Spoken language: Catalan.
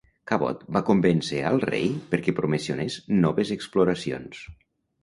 Cabot va convèncer al rei perquè promocionés noves exploracions.